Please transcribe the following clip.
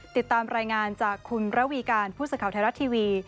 ติดตามรายงานจากคุณระวีการผู้สื่อข่าวไทยรัฐทีวี